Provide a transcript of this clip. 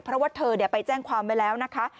เพราะว่าเธอไปแจ้งความไว้แล้วนะคะ